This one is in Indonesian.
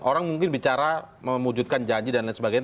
orang mungkin bicara memujudkan janji dan lain sebagainya